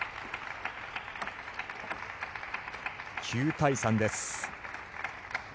９対３です。